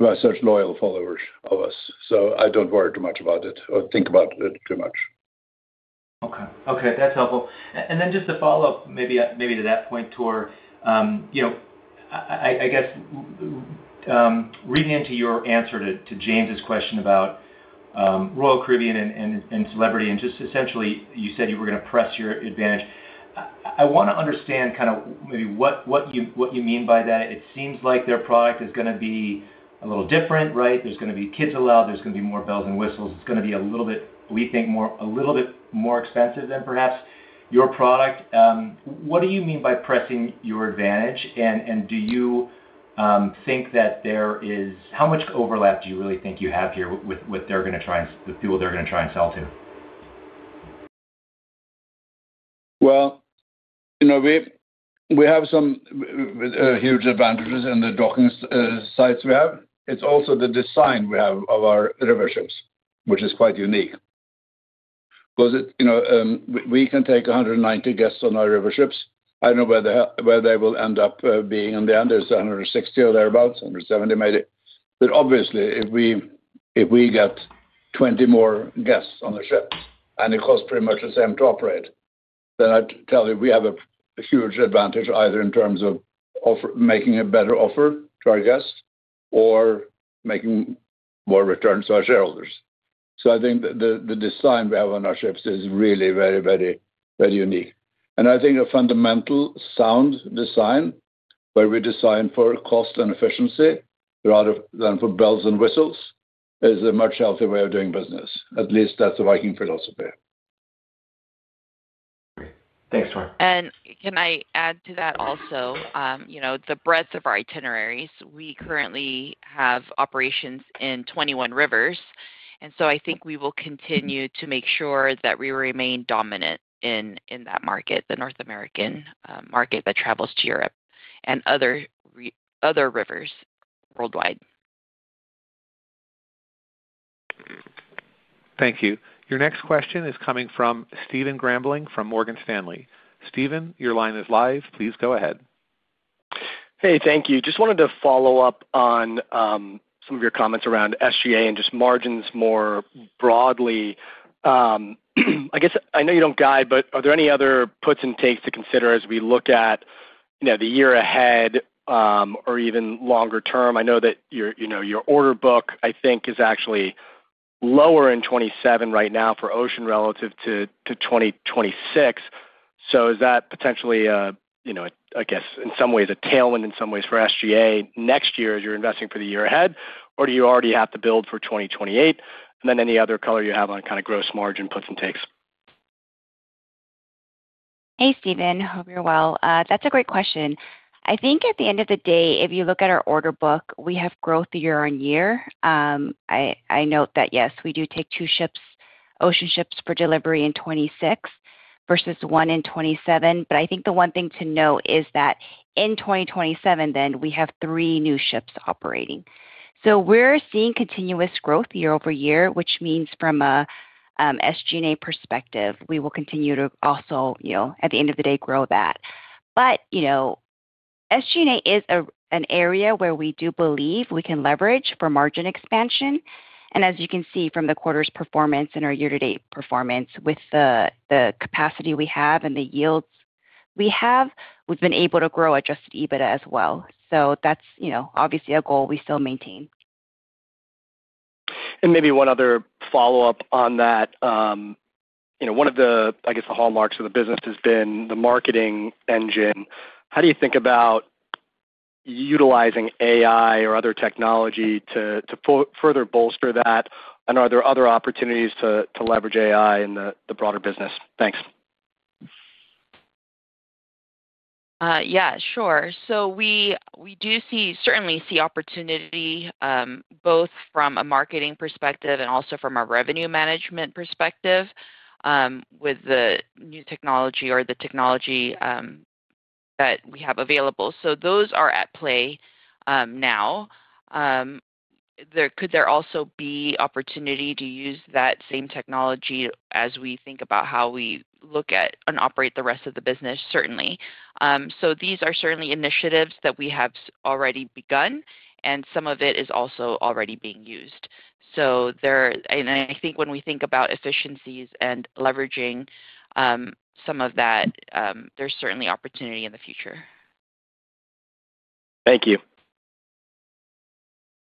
C: we are such loyal followers of us. I don't worry too much about it or think about it too much.
I: Okay. Okay. That's helpful. Just to follow up maybe to that point, Tor, I guess reading into your answer to James' question about Royal Caribbean and Celebrity, and just essentially you said you were going to press your advantage. I want to understand kind of maybe what you mean by that. It seems like their product is going to be a little different, right? There's going to be kids allowed. There's going to be more bells and whistles. It's going to be a little bit, we think, a little bit more expensive than perhaps your product. What do you mean by pressing your advantage? Do you think that there is—how much overlap do you really think you have here with what they're going to try and the fuel they're going to try and sell to?
C: We have some huge advantages in the docking sites we have. It's also the design we have of our river ships, which is quite unique. Because we can take 190 guests on our river ships. I don't know where they will end up being in the end. There's 160 or thereabouts, 170 maybe. Obviously, if we get 20 more guests on the ship and it costs pretty much the same to operate, then I'd tell you we have a huge advantage either in terms of making a better offer to our guests or making more returns to our shareholders. I think the design we have on our ships is really very, very, very unique. I think a fundamental sound design where we design for cost and efficiency rather than for bells and whistles is a much healthier way of doing business. At least that's the Viking philosophy.
I: Thanks, Tor.
D: Can I add to that also? The breadth of our itineraries, we currently have operations in 21 rivers. I think we will continue to make sure that we remain dominant in that market, the North American market that travels to Europe and other rivers worldwide.
A: Thank you. Your next question is coming from Stephen Grambling from Morgan Stanley. Stephen, your line is live. Please go ahead.
J: Hey, thank you. Just wanted to follow up on some of your comments around SG&A and just margins more broadly. I guess I know you don't guide, but are there any other puts and takes to consider as we look at the year ahead or even longer term? I know that your order book, I think, is actually lower in 2027 right now for ocean relative to 2026. Is that potentially, I guess, in some ways a tailwind, in some ways for SG&A next year as you're investing for the year ahead? Or do you already have to build for 2028? Any other color you have on kind of gross margin puts and takes?
K: Hey, Stephen. Hope you're well. That's a great question. I think at the end of the day, if you look at our order book, we have growth year-on-year. I note that, yes, we do take two ships, ocean ships for delivery in 2026 versus one in 2027. I think the one thing to note is that in 2027, then we have three new ships operating. We are seeing continuous growth year-over-year, which means from an SG&A perspective, we will continue to also, at the end of the day, grow that. SG&A is an area where we do believe we can leverage for margin expansion. As you can see from the quarter's performance and our year-to-date performance with the capacity we have and the yields we have, we've been able to grow adjusted EBITDA as well. That is obviously a goal we still maintain.
J: Maybe one other follow-up on that. One of the, I guess, the hallmarks of the business has been the marketing engine. How do you think about utilizing AI or other technology to further bolster that? Are there other opportunities to leverage AI in the broader business? Thanks.
D: Yeah, sure. We do certainly see opportunity both from a marketing perspective and also from a revenue management perspective with the new technology or the technology that we have available. Those are at play now. Could there also be opportunity to use that same technology as we think about how we look at and operate the rest of the business? Certainly. These are certainly initiatives that we have already begun, and some of it is also already being used. I think when we think about efficiencies and leveraging some of that, there is certainly opportunity in the future.
J: Thank you.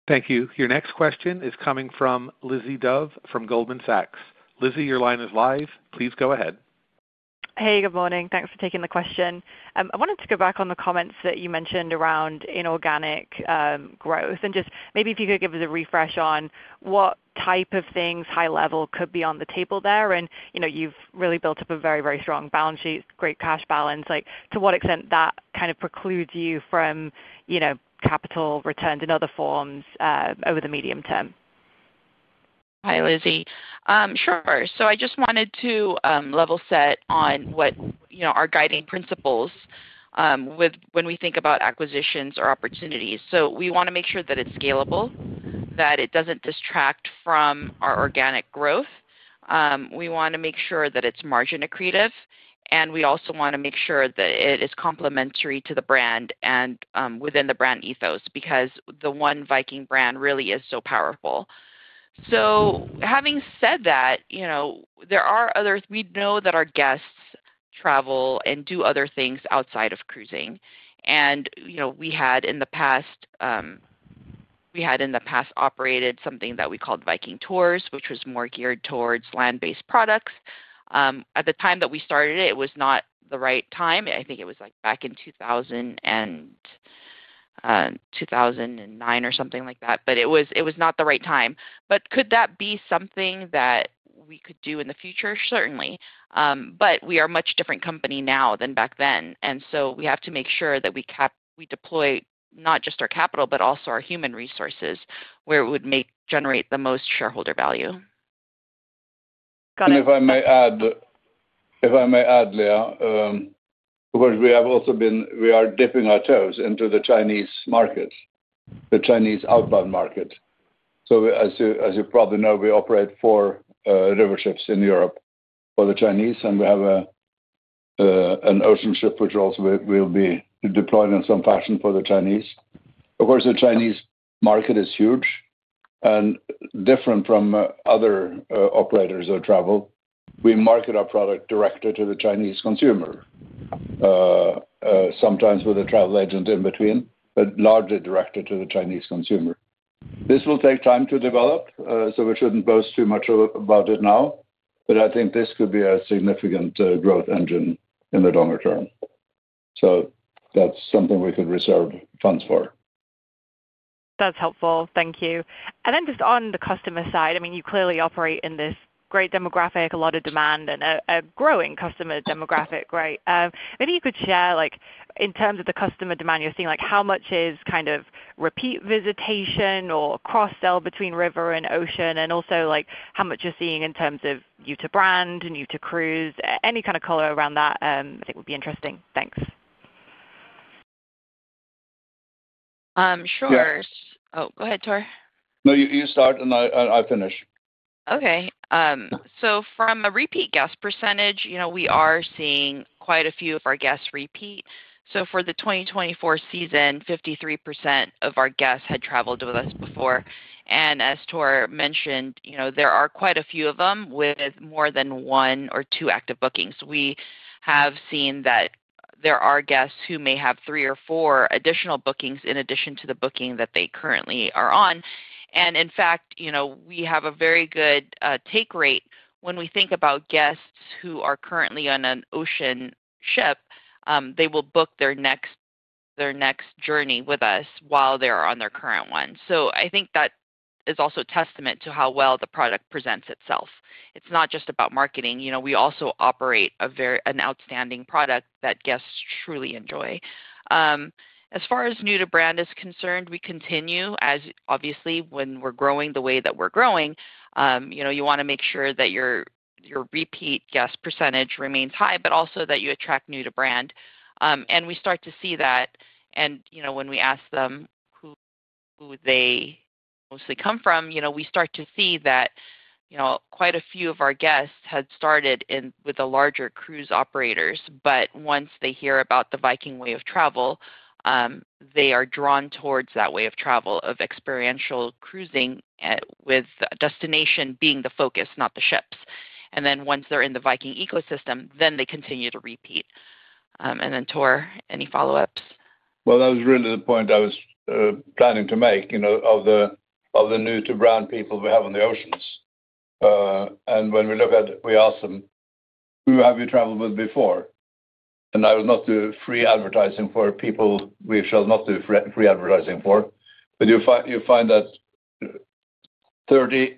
A: Thank you. Your next question is coming from Lizzie Dove from Goldman Sachs. Lizzie, your line is live. Please go ahead.
L: Hey, good morning. Thanks for taking the question. I wanted to go back on the comments that you mentioned around inorganic growth. Just maybe if you could give us a refresh on what type of things high-level could be on the table there. You have really built up a very, very strong balance sheet, great cash balance. To what extent does that kind of preclude you from capital returns in other forms over the medium term?
D: Hi, Lizzie. Sure. I just wanted to level set on what our guiding principles are when we think about acquisitions or opportunities. We want to make sure that it's scalable, that it doesn't distract from our organic growth. We want to make sure that it's margin accretive. We also want to make sure that it is complementary to the brand and within the brand ethos because the one Viking brand really is so powerful. Having said that, we know that our guests travel and do other things outside of cruising. We had in the past operated something that we called Viking Tours, which was more geared towards land-based products. At the time that we started it, it was not the right time. I think it was back in 2009 or something like that. It was not the right time. Could that be something that we could do in the future? Certainly. We are a much different company now than back then. We have to make sure that we deploy not just our capital, but also our human resources where it would generate the most shareholder value.
C: If I may add, Leah, because we have also been—we are dipping our toes into the Chinese market, the Chinese outbound market. As you probably know, we operate four river ships in Europe for the Chinese. We have an ocean ship which also will be deployed in some fashion for the Chinese. Of course, the Chinese market is huge and different from other operators of travel. We market our product directly to the Chinese consumer, sometimes with a travel agent in between, but largely directed to the Chinese consumer. This will take time to develop, so we should not boast too much about it now. I think this could be a significant growth engine in the longer term. That is something we could reserve funds for.
L: That's helpful. Thank you. Just on the customer side, I mean, you clearly operate in this great demographic, a lot of demand, and a growing customer demographic, right? Maybe you could share in terms of the customer demand you're seeing, how much is kind of repeat visitation or cross-sell between river and ocean? Also how much you're seeing in terms of new-to-brand, new-to-cruise, any kind of color around that? I think would be interesting. Thanks.
D: Sure. Oh, go ahead, Tor.
C: No, you start and I finish.
D: Okay. From a repeat guest percentage, we are seeing quite a few of our guests repeat. For the 2024 season, 53% of our guests had traveled with us before. As Tor mentioned, there are quite a few of them with more than one or two active bookings. We have seen that there are guests who may have three or four additional bookings in addition to the booking that they currently are on. In fact, we have a very good take rate when we think about guests who are currently on an ocean ship. They will book their next journey with us while they are on their current one. I think that is also a testament to how well the product presents itself. It's not just about marketing. We also operate an outstanding product that guests truly enjoy. As far as new-to-brand is concerned, we continue, obviously, when we're growing the way that we're growing, you want to make sure that your repeat guest percentage remains high, but also that you attract new-to-brand. We start to see that. When we ask them who they mostly come from, we start to see that quite a few of our guests had started with the larger cruise operators. Once they hear about the Viking way of travel, they are drawn towards that way of travel of experiential cruising with destination being the focus, not the ships. Once they're in the Viking ecosystem, they continue to repeat. Tor, any follow-ups?
C: That was really the point I was planning to make of the new-to-brand people we have on the oceans. When we look at it, we ask them, "Who have you traveled with before?" That was not to free advertising for people we shall not do free advertising for. You find that 35%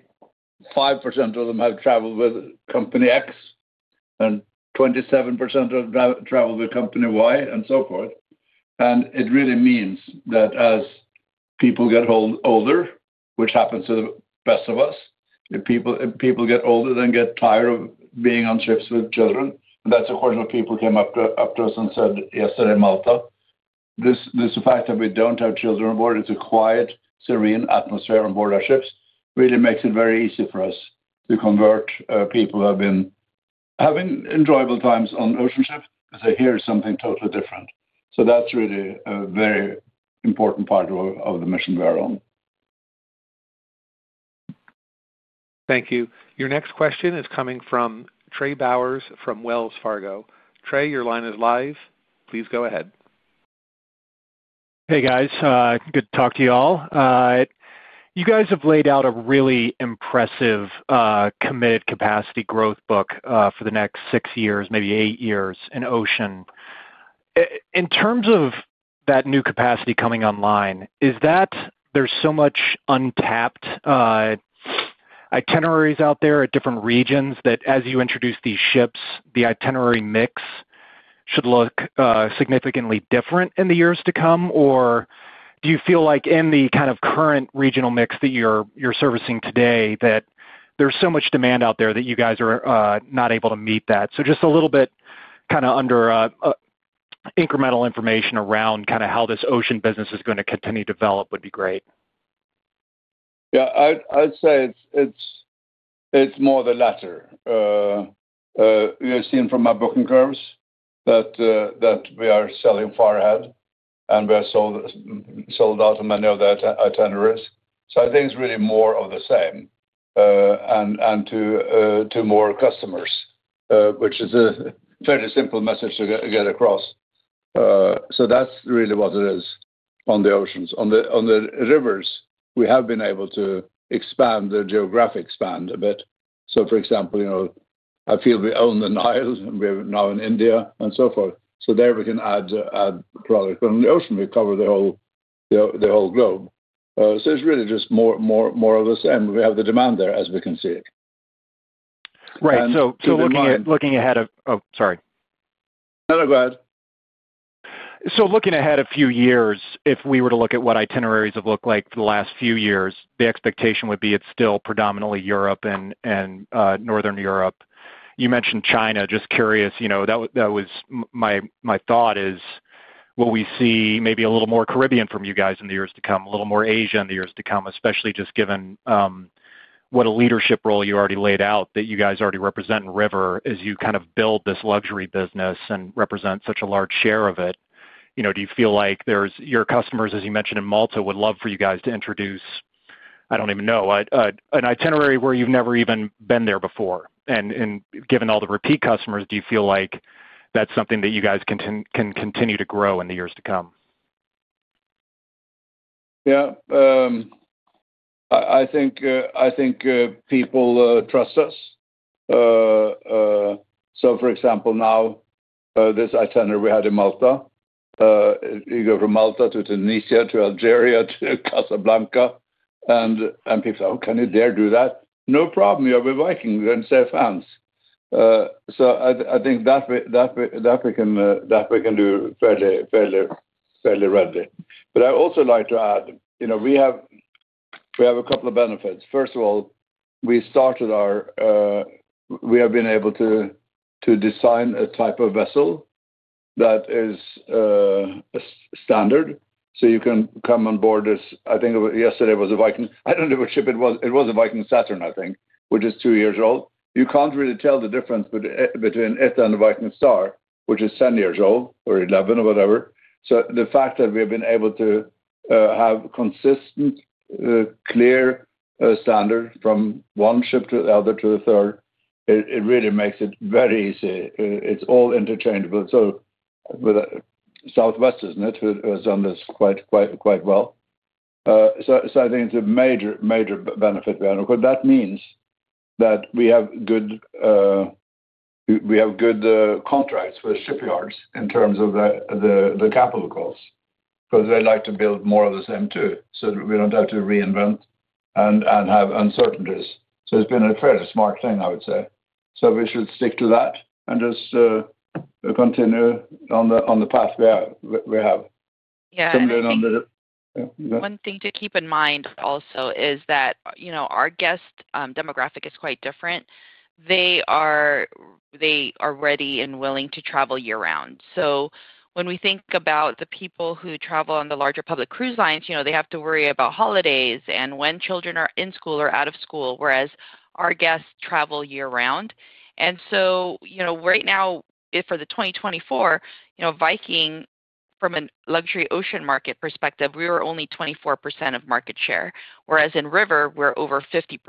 C: of them have traveled with company X, and 27% have traveled with company Y, and so forth. It really means that as people get older, which happens to the best of us, people get older and get tired of being on ships with children. That is a question of people came up to us and said yesterday in Malta. The fact that we don't have children on board, it's a quiet, serene atmosphere on board our ships, really makes it very easy for us to convert people who have been having enjoyable times on ocean ships to say, "Here's something totally different." That is really a very important part of the mission we are on.
A: Thank you. Your next question is coming from Trey Bowers from Wells Fargo. Trey, your line is live. Please go ahead.
M: Hey, guys. Good to talk to you all. You guys have laid out a really impressive committed capacity growth book for the next six years, maybe eight years in ocean. In terms of that new capacity coming online, is that there's so much untapped itineraries out there at different regions that as you introduce these ships, the itinerary mix should look significantly different in the years to come? Or do you feel like in the kind of current regional mix that you're servicing today that there's so much demand out there that you guys are not able to meet that? Just a little bit kind of incremental information around kind of how this ocean business is going to continue to develop would be great.
C: Yeah. I'd say it's more the latter. You're seeing from our booking curves that we are selling far ahead, and we are sold out on many of the itineraries. I think it's really more of the same and to more customers, which is a fairly simple message to get across. That's really what it is on the oceans. On the rivers, we have been able to expand the geographic span a bit. For example, I feel we own the Nile, and we're now in India, and so forth. There we can add product. On the ocean, we cover the whole globe. It's really just more of the same. We have the demand there as we can see it.
M: Right. Looking ahead—sorry.
C: No, no, go ahead.
M: Looking ahead a few years, if we were to look at what itineraries have looked like for the last few years, the expectation would be it's still predominantly Europe and Northern Europe. You mentioned China. Just curious, that was my thought is, will we see maybe a little more Caribbean from you guys in the years to come, a little more Asia in the years to come, especially just given what a leadership role you already laid out that you guys already represent in river as you kind of build this luxury business and represent such a large share of it? Do you feel like your customers, as you mentioned in Malta, would love for you guys to introduce, I don't even know, an itinerary where you've never even been there before? Given all the repeat customers, do you feel like that's something that you guys can continue to grow in the years to come?
C: Yeah. I think people trust us. For example, now this itinerary we had in Malta, you go from Malta to Tunisia to Algeria to Casablanca, and people say, "Oh, can you dare do that?" "No problem. You're with Viking. We're in safe hands." I think that we can do fairly readily. I'd also like to add we have a couple of benefits. First of all, we started our—we have been able to design a type of vessel that is standard. You can come on board this. I think yesterday was a Viking—I don't know which ship it was. It was a Viking Saturn, I think, which is two years old. You can't really tell the difference between it and the Viking Star, which is 10 years old or 11 or whatever. The fact that we have been able to have consistent, clear standard from one ship to the other to the third, it really makes it very easy. It's all interchangeable. Southwest, isn't it, who has done this quite well? I think it's a major benefit we have. Of course, that means that we have good contracts for the shipyards in terms of the capital costs because they like to build more of the same too. We don't have to reinvent and have uncertainties. It's been a fairly smart thing, I would say. We should stick to that and just continue on the path we have.
D: Yeah. One thing to keep in mind also is that our guest demographic is quite different. They are ready and willing to travel year-round. When we think about the people who travel on the larger public cruise lines, they have to worry about holidays and when children are in school or out of school, whereas our guests travel year-round. Right now, for 2024, Viking, from a luxury ocean market perspective, we were only 24% of market share, whereas in river, we are over 50%.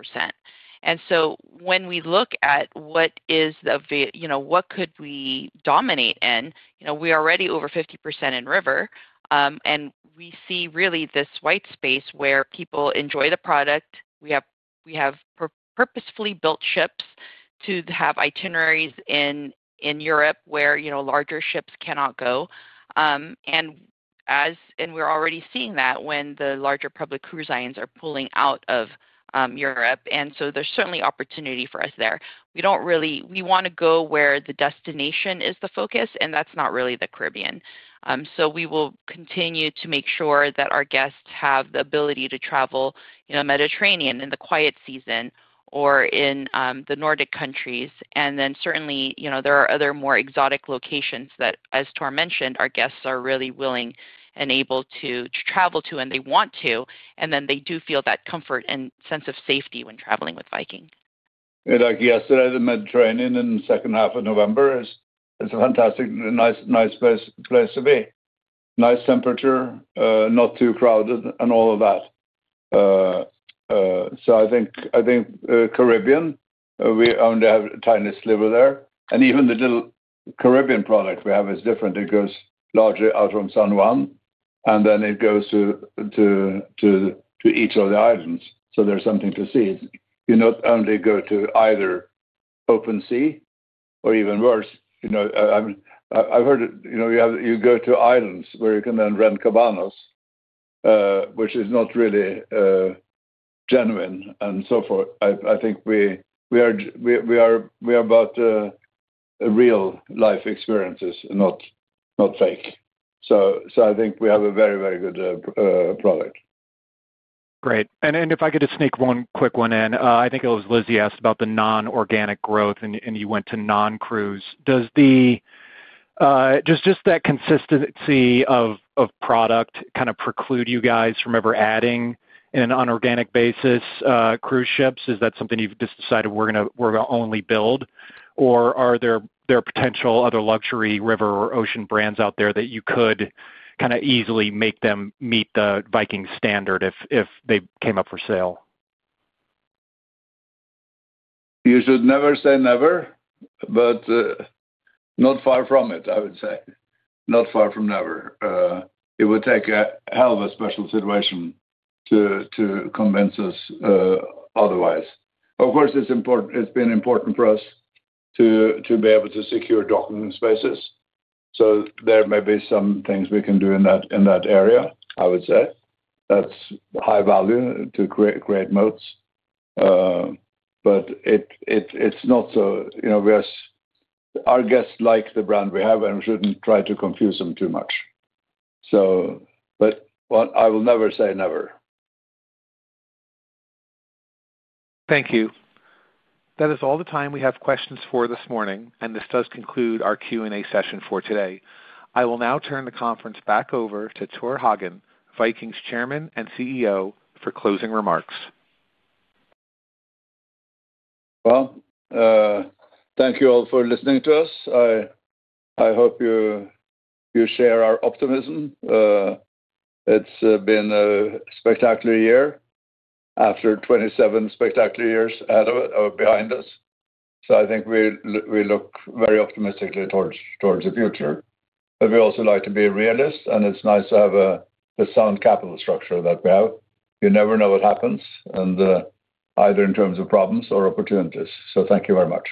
D: When we look at what is the—what could we dominate in, we are already over 50% in river. We see really this white space where people enjoy the product. We have purposefully built ships to have itineraries in Europe where larger ships cannot go. We are already seeing that when the larger public cruise lines are pulling out of Europe. There is certainly opportunity for us there. We want to go where the destination is the focus, and that is not really the Caribbean. We will continue to make sure that our guests have the ability to travel in the Mediterranean in the quiet season or in the Nordic countries. There are other more exotic locations that, as Tor mentioned, our guests are really willing and able to travel to, and they want to. They do feel that comfort and sense of safety when traveling with Viking.
C: Like yesterday, the Mediterranean in the second half of November is a fantastic, nice place to be. Nice temperature, not too crowded, and all of that. I think Caribbean, we only have a tiny sliver there. Even the little Caribbean product we have is different. It goes largely out on San Juan, and then it goes to each of the islands. There is something to see. You not only go to either open sea or even worse. I have heard it. You go to islands where you can then rent cabanas, which is not really genuine and so forth. I think we are about real-life experiences, not fake. I think we have a very, very good product.
M: Great. If I get to sneak one quick one in, I think it was Lizzie asked about the non-organic growth, and you went to non-cruise. Does just that consistency of product kind of preclude you guys from ever adding in an unorganic basis cruise ships? Is that something you've just decided we're going to only build? Or are there potential other luxury river or ocean brands out there that you could kind of easily make them meet the Viking standard if they came up for sale?
C: You should never say never, but not far from it, I would say. Not far from never. It would take a hell of a special situation to convince us otherwise. Of course, it's been important for us to be able to secure docking spaces. There may be some things we can do in that area, I would say. That's high value to create moats. It's not so our guests like the brand we have, and we shouldn't try to confuse them too much. I will never say never.
A: Thank you. That is all the time we have questions for this morning, and this does conclude our Q&A session for today. I will now turn the conference back over to Tor Hagen, Viking's Chairman and CEO, for closing remarks.
C: Thank you all for listening to us. I hope you share our optimism. It's been a spectacular year after 27 spectacular years behind us. I think we look very optimistically towards the future. We also like to be realists, and it's nice to have the sound capital structure that we have. You never know what happens, either in terms of problems or opportunities. Thank you very much.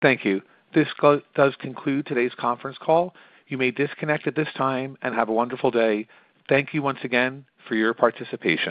A: Thank you. This does conclude today's conference call. You may disconnect at this time and have a wonderful day. Thank you once again for your participation.